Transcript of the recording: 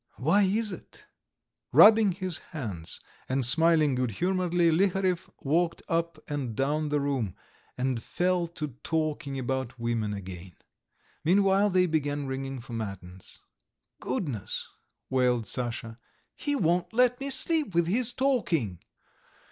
Why is it?" Rubbing his hands and smiling good humouredly Liharev walked up and down the room, and fell to talking about women again. Meanwhile they began ringing for matins. "Goodness," wailed Sasha. "He won't let me sleep with his talking!"